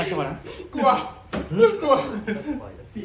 อุ๊ยตัวใหญ่ไหมพี่